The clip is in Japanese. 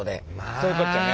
そういうこっちゃね！